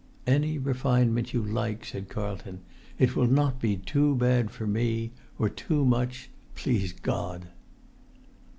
"Any refinement you like," said Carlton. "It will not be too bad for me—or too much—please God!"